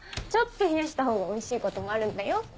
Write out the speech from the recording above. ちょっと冷やしたほうがおいしいこともあるんだよ。